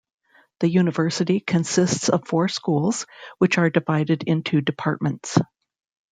The university consists of four schools which are divided into departments.